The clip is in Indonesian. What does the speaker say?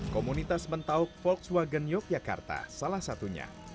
komunitas mentauk volkswagen yogyakarta salah satunya